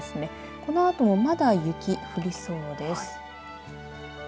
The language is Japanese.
このあともまだ雪降りそうです。